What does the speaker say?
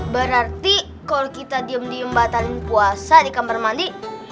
berarti kalau kita diem diembatan puasa di kamar mandi